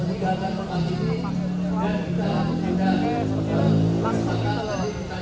oleh karena kita jaga kesehatan kita